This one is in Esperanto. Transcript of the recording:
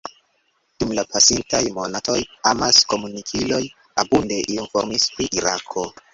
Dum la pasintaj monatoj amas-komunikiloj abunde informis pri Irako.